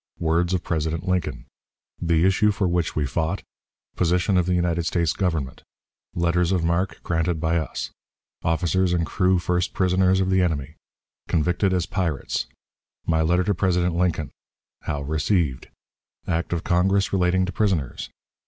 Words of President Lincoln. The Issue for which we fought. Position of the United States Government. Letters of Marque granted by us. Officers and Crew First Prisoners of the Enemy. Convicted as "Pirates." My Letter to President Lincoln. How received. Act of Congress relating to Prisoners.